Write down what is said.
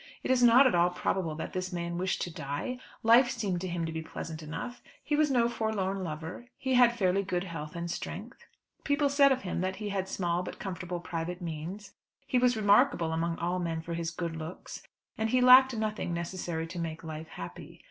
It is not at all probable that this man wished to die. Life seemed to him to be pleasant enough: he was no forlorn lover; he had fairly good health and strength; people said of him that he had small but comfortable private means; he was remarkable among all men for his good looks; and he lacked nothing necessary to make life happy.